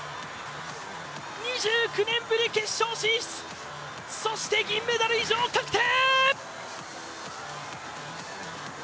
２９年ぶり決勝進出、そして銀メダル以上確定！